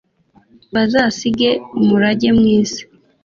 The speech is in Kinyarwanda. bazasige umurage mwiza